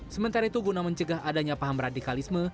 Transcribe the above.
sementara itu guna mencegah adanya paham radikalisme